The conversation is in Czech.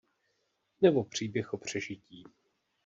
Nebo příběh o přežití.